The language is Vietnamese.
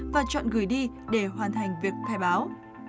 và chọn gửi đi để hoàn thành việc khai báo